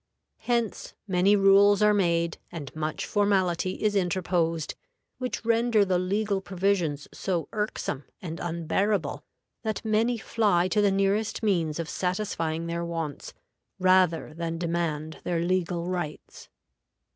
Hence many rules are made, and much formality is interposed, which render the legal provisions so irksome and unbearable that many fly to the nearest means of satisfying their wants rather than demand their legal rights.